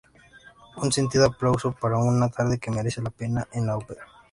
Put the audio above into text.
Un sentido aplauso para una tarde que merece la pena en la ópera.